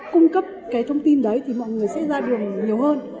cung cấp cái thông tin đấy thì mọi người sẽ ra đường nhiều hơn